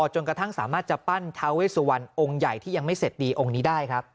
จนกระทั่งสามารถจะปั้นทาเวสุวรรณองค์ใหญ่ที่ยังไม่เสร็จดีองค์นี้ได้ครับ